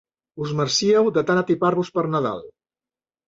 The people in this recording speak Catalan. Us marcíeu de tan atipar-vos per Nadal.